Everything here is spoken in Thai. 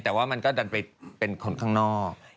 แต่ว่ามันก็ดันไปเป็นคนข้างนอก